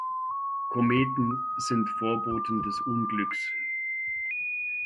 Kometen sind Vorboten des Unglücks.